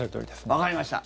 わかりました！